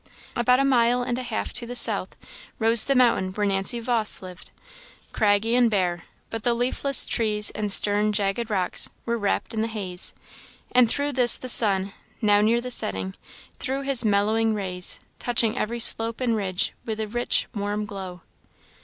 About a mile and a half to the south, rose the mountain where Nancy Vawse lived, craggy and bare; but the leafless trees, and stern, jagged rocks were wrapped in the haze; and through this the sun, now near the setting, threw his mellowing rays, touching every slope and ridge with a rich, warm glow.